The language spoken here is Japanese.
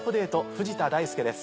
藤田大介です。